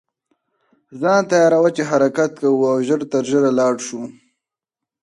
ځان تیاروه چې حرکت کوو او ژر تر ژره لاړ شو.